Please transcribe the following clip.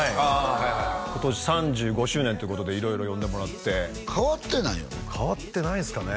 はい今年３５周年ということで色々呼んでもらって変わってないよね変わってないですかね